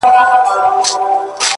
خو هغې دغه ډالۍ-